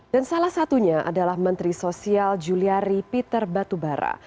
dan salah satunya adalah menteri sosial juliari peter batubara